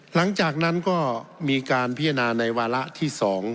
หลังจากนั้นก็มีการพิจารณาในวาระที่๒